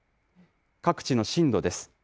各地の震度です。